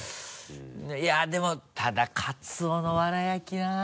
いやでもただカツオのわら焼きなぁ。